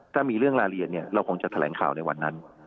ถ้ามีเรื่องรายละเอียดเนี่ยเราคงจะแถลงข่าวในวันนั้น